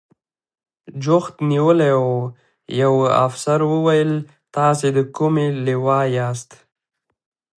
جوخت نیولي و، یوه افسر وویل: تاسې د کومې لوا یاست؟